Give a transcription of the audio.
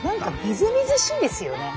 みずみずしいですよね。